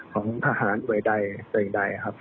ของพหารเอวว์ยได้ตัวอย่างใดครับ